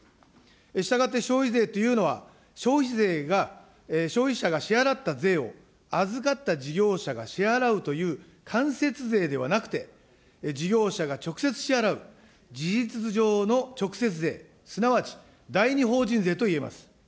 したがって、消費税というのは消費税が、消費者が支払った税を預かった事業者が支払うという、間接税ではなくて、事業者が直接支払う事実上の直接税、すなわち第２法人税といえます。